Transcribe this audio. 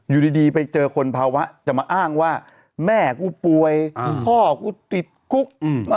อยู่ดีไปเจอคนภาวะจะมาอ้างว่าแม่กูป่วยพ่อกูติดคุก